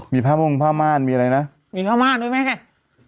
มีผ้าหมุงผ้ามารมีอะไรนะมีผ้ามารด้วยไหม